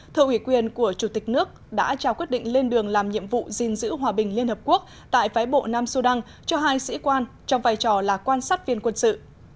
thợ ủy quyền của chủ tịch nước đã trao quyết định lên đường làm nhiệm vụ gìn giữ hòa bình liên hợp quốc tại phái bộ nam sudan cho hai sĩ quan trong vai trò là quan sát viên quân sự